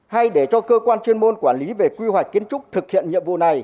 hay để cho cơ quan chuyên môn quản lý về quy hoạch kiến trúc thực hiện nhiệm vụ này